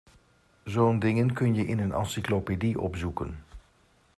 Zo'n dingen kun je in een encyclopedie opzoeken.